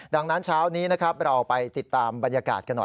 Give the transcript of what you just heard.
ดังนั้นเช้านี้นะครับเราไปติดตามบรรยากาศกันหน่อย